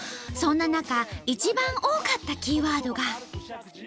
そんな中一番多かったキーワードが。